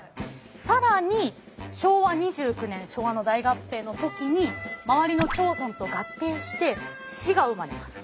更に昭和２９年昭和の大合併の時に周りの町村と合併して市が生まれます。